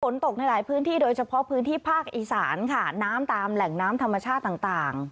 ฝนตกในหลายพื้นที่โดยเฉพาะพื้นที่ภาคอีสานค่ะน้ำตามแหล่งน้ำธรรมชาติต่าง